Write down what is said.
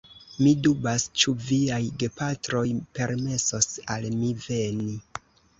Mi dubas, ĉu viaj gepatroj permesos al mi veni.